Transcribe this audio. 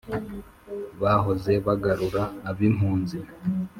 Bahoze bagarura ab'impunzi